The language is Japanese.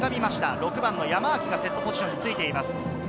６番の山脇がセットポジションについています。